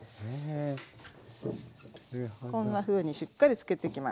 こんなふうにしっかりつけてきます。